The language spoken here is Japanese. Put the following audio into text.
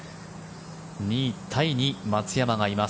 ２位タイに松山がいます。